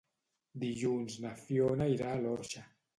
Dilluns na Fiona irà a l'Orxa.